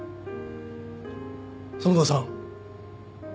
園田さん。